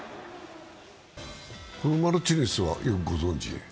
このマルティネスはよくご存じ？